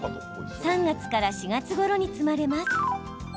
３月から４月ごろに摘まれます。